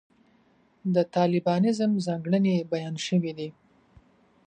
د طالبانیزم ځانګړنې بیان شوې دي.